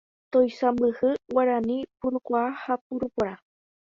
Toisãmbyhy Guarani purukuaa ha puru porã.